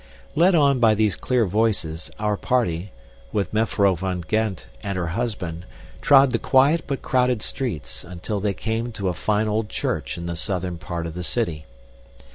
Led on by these clear voices, our party, with Mevrouw van Gend and her husband, trod the quiet but crowded streets, until they came to a fine old church in the southern part of the city.